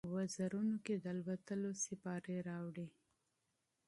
وزرونو کې، د الوتلو سیپارې راوړي